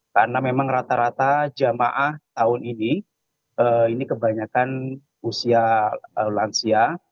karena memang rata rata jemaah tahun ini ini kebanyakan usia lansia